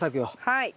はい。